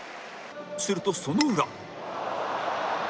するとその裏